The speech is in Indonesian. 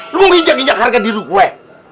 lu mau nginjak injak harga diru gue